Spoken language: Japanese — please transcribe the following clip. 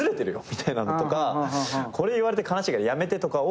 みたいなのとかこれ言われて悲しいからやめてとかを。